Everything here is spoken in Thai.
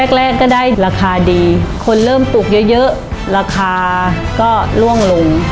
แรกก็ได้ราคาดีคนเริ่มปลูกเยอะราคาก็ล่วงลง